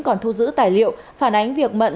còn thu giữ tài liệu phản ánh việc mận